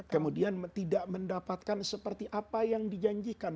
kemudian tidak mendapatkan seperti apa yang dijanjikan